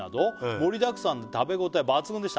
「盛りだくさんで食べ応え抜群でした」